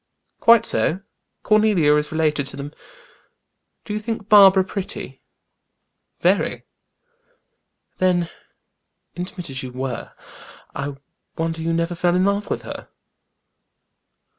"Quite so. Cornelia is related to them." "Do you think Barbara pretty?" "Very." "Then intimate as you were I wonder you never fell in love with her." Mr.